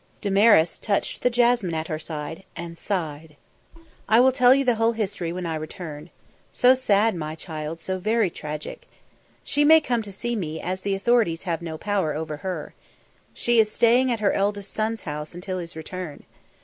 Damaris touched the jasmine at her side and sighed. "I will tell you the whole history when I return. So sad, my child; so very tragic. She may come to see me, as the authorities have no power over her. She is staying at her eldest son's house until his return.